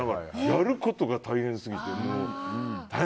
やることが大変すぎて。